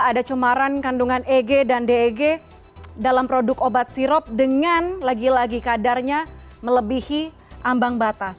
ada cemaran kandungan eg dan deg dalam produk obat sirop dengan lagi lagi kadarnya melebihi ambang batas